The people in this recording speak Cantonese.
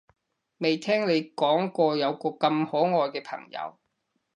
未聽你講過有個咁可愛嘅朋友